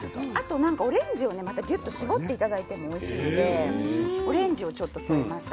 オレンジを搾っていただいてもおいしいのでオレンジも添えました。